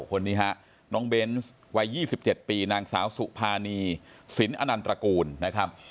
คนนี้ฮะน้องเบนวัยยี่สิบเจ็ดปีนางสาวสุภานีสินอนันตรกูลนะครับ